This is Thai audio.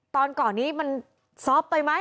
ตอนก่อนนี้มันซอฟต์ไปไหม